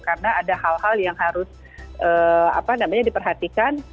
karena ada hal hal yang harus diperhatikan